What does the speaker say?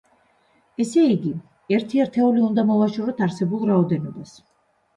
ესე იგი, ერთი ერთეული უნდა მოვაშოროთ არსებულ რაოდენობას.